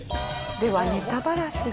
ではネタバラシです。